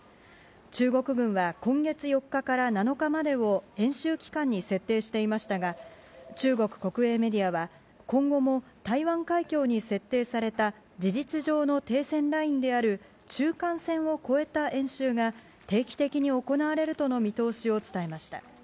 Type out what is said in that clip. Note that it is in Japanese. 中国軍は今月４日から７日までを演習期間に設定していましたが、中国国営メディアは、今後も台湾海峡に設定された、事実上の停戦ラインである、中間線を越えた演習が、定期的に行われるとの見通しを伝えました。